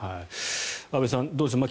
安部さん、どうでしょう。